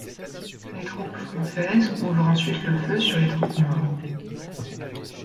Les troupes françaises ouvrent ensuite le feu sur les troupes maures.